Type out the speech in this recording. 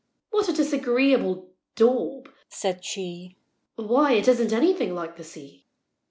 "What a disagreeable daub!" said she: "Why, it isn't anything like the sea!"